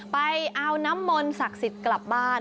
ไปเอาน้ำมนต์ศักดิ์สิทธิ์กลับบ้าน